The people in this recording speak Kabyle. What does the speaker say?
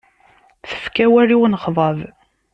Tefka awal i unexḍab.